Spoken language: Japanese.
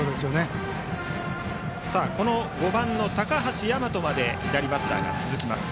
バッター５番の高橋大和まで左バッターが続きます。